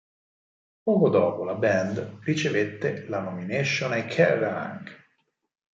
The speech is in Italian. Poco dopo la band ricevette le nomination ai Kerrang!